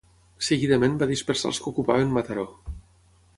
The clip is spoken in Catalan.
Seguidament va dispersar els que ocupaven Mataró.